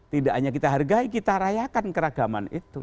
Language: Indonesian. tidak hanya kita hargai kita rayakan keragaman itu